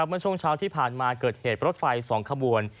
เวลาช่วงเช้าที่ผ่านมาเกิดเหตุประดับไฟสองขบวน